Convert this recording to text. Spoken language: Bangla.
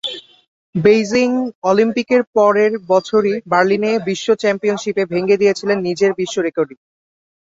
বেইজিং অলিম্পিকের পরের বছরই বার্লিনে বিশ্ব চ্যাম্পিয়নশিপে ভেঙে দিয়েছিলেন নিজের বিশ্ব রেকর্ডই।